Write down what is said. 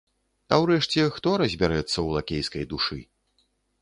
А ўрэшце, хто разбярэцца ў лакейскай душы?